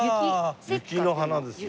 雪の華ですよ。